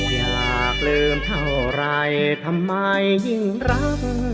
อยากลืมเท่าไรทำไมยิ่งรัก